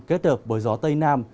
kết hợp bởi gió tây nam